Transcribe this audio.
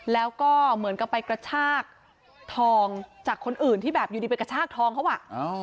แล้วก็เหมือนกับไปกระชากทองจากคนอื่นที่แบบอยู่ดีไปกระชากทองเขาอ่ะ